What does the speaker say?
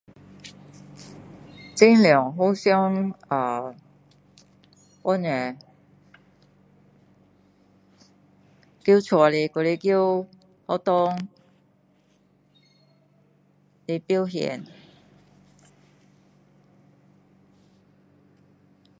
尽量互相 ahh 帮助，在屋里或是在学堂，来表现。